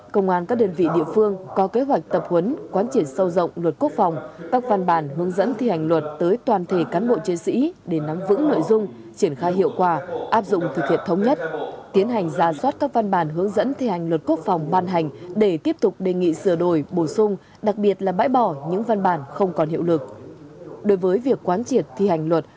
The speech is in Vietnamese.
công an các đơn vị địa phương có kế hoạch tập huấn quán triển sâu rộng luật quốc phòng các văn bản hướng dẫn thi hành luật tới toàn thể cán bộ chế sĩ để nắm vững nội dung triển khai hiệu quả áp dụng thực hiện thống nhất tiến hành ra soát các văn bản hướng dẫn thi hành luật quốc phòng ban hành để tiếp tục đề nghị sửa đổi bổ sung đặc biệt là bãi bỏ những văn bản không còn hiệu lực